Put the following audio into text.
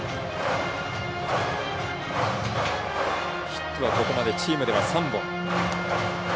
ヒットはここまでチームでは３本。